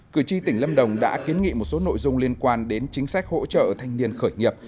cử tri tỉnh lâm đồng đã kiến nghị một số nội dung liên quan đến chính sách hỗ trợ thanh niên khởi nghiệp